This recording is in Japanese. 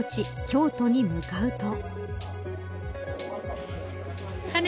京都に向かうと。